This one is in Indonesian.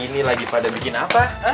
ini lagi pada bikin apa